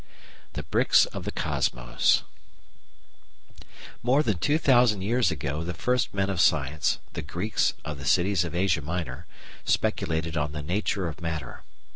§ 1 The Bricks of the Cosmos More than two thousand years ago the first men of science, the Greeks of the cities of Asia Minor, speculated on the nature of matter.